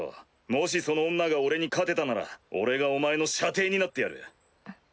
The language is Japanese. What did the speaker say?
もしその女が俺に勝てたなら俺がお前の舎弟になってやる。